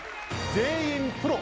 全員プロ。